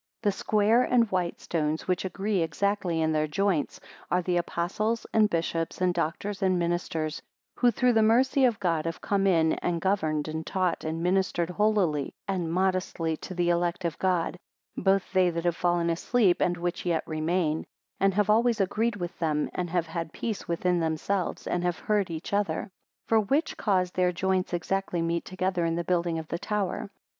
52 The square and white stones which agree exactly in their joints, are the apostles, and bishops, and doctors, and ministers, who through the mercy of God have come in, and governed, and taught and ministered holily and modestly to the elect of God, both they that have fallen asleep, and which yet remain; and have always agreed with them, and have had peace within themselves, and have heard each other. 53 For which cause their joints exactly meet together in the building of the tower.